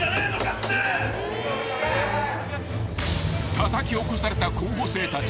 ［たたき起こされた候補生たち］